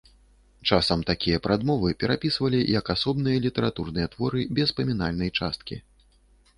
Часам такія прадмовы перапісвалі як асобныя літаратурныя творы без памінальнай часткі.